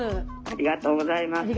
ありがとうございます。